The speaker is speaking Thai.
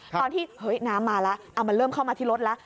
ตอนที่เฮ้ยน้ำมาแล้วมันเริ่มเข้ามาที่รถแล้ว